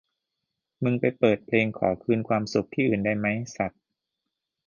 มึงไปเปิดเพลงขอคืนความสุขที่อื่นได้ไหมสัส